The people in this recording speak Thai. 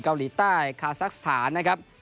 เกาหลีใต้คาซักสถานนะครับ